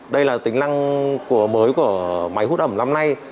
đây là tính năng mới của máy hút ẩm năm nay